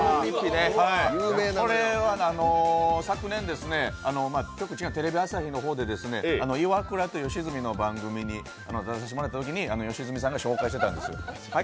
これは昨年、テレビ朝日の方で「イワクラと吉住の番組」に出させてもらったときに、吉住さんが紹介してたんですよ。